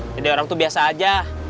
jadi orang itu biasa aja